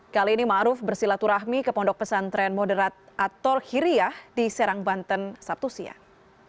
kali ini ma'ruf bersilaturahmi ke pondok pesantren moderat at tolk hiriyah di serang banten sabtu siang